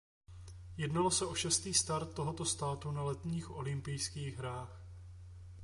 Jednalo se o šestý start tohoto státu na letních olympijských hrách.